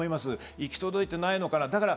行き届いてないのかな？